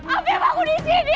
apip aku disini